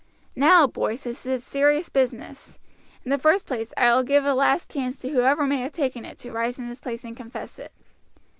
Now, boys, this is a serious business. In the first place, I will give a last chance to whoever may have taken it to rise in his place and confess it."